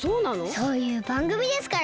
そういうばんぐみですから。